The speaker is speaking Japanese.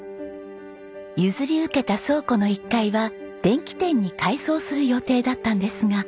譲り受けた倉庫の１階は電気店に改装する予定だったんですが。